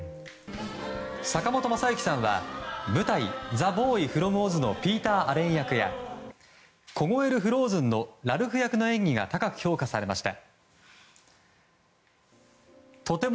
坂本昌行さんは舞台「ＴＨＥＢＯＹＦＲＯＭＯＺ」のピーター・アレン役や「凍えるＦＲＯＺＥＮ」のラルフ役の演技が高く評価されました。